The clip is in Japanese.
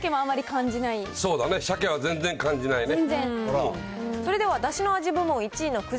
そうだね、さけは全然感じないね。